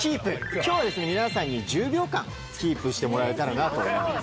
今日は皆さんに１０秒間キープしてもらえたらなと思います。